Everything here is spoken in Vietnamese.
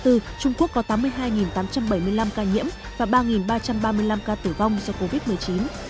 trung quốc có tám mươi hai tám trăm bảy mươi năm ca nhiễm và ba ba trăm ba mươi năm ca tử vong do covid một mươi chín